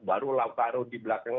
baru lautaro di belakang